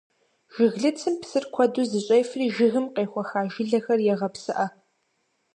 Жыглыцым псыр куэду зыщӀефри жыгым къехуэха жылэхэр егъэпсыӏэ.